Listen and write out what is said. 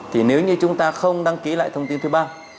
thì nếu như chúng ta không đăng ký lại thông tin thư bao